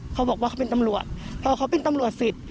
เขาบอกว่าเขาเป็นตำรวจพอเขาเป็นตำรวจเสร็จ